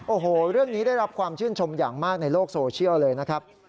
โอ้โหเรื่องนี้ได้รับความชื่นชมอย่างมากในโลกโซเชียลเลยนะครับ